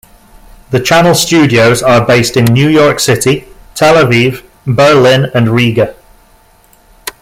The channel studios are based in New York City, Tel-Aviv, Berlin and Riga.